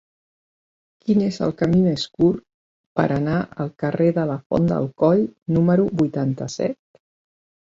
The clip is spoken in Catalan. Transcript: Quin és el camí més curt per anar al carrer de la Font del Coll número vuitanta-set?